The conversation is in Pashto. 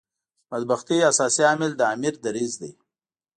بدبختۍ اساسي عامل د امیر دریځ دی.